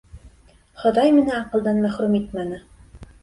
Хоҙай мине аҡылдан мәхрүм итмәне.